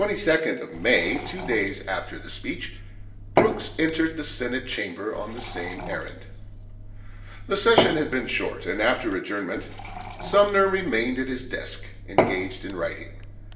On the 22d of May, two days after the speech, Brooks entered the Senate Chamber on the same errand. The session had been short, and after adjournment Sumner remained at his desk, engaged in writing.